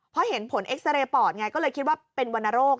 เพราะเห็นผลเอ็กซาเรย์ปอดไงก็เลยคิดว่าเป็นวรรณโรค